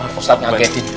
pak ustad nyagetin